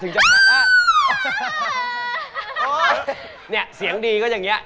เนี่ยเสียงดีก็อย่างเงี้